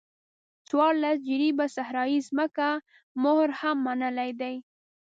څوارلس جریبه صحرایي ځمکې مهر هم منلی دی.